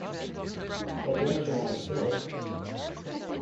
But what shall I say?